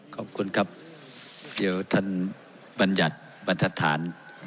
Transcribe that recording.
ขอบคุณครับเดี๋ยวท่านบัญญัติบรรทัศน์